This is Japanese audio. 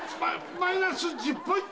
マイナス１０ポイント。